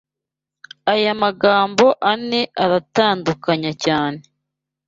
aya magambo ane aratandukanya cyane